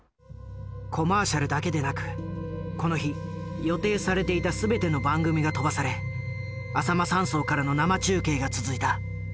コマーシャルだけでなくこの日予定されていた全ての番組が飛ばされあさま山荘からの生中継が続いた。